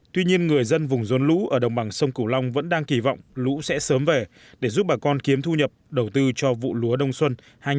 tuy nhiên người dân vùng dồn lũ ở đồng bằng sông cửu long vẫn đang kỳ vọng lũ sẽ sớm về để giúp bà con kiếm thu nhập đầu tư cho vụ lúa đông xuân hai nghìn một mươi chín hai nghìn hai mươi